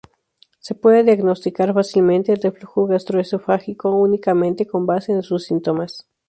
Se puede diagnosticar fácilmente el reflujo gastroesofágico únicamente con base en sus síntomas.